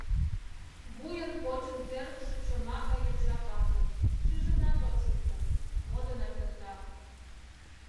Вуйын-почын тӧргышӧ чома гай йоча пагыт, шижынат от шукто, модынак эрта.